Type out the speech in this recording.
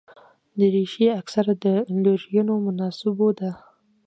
دریشي اکثره د لورینو مناسبو ده.